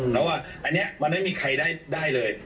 แต่ว่าอันนี้มันไม่มีใครได้เลย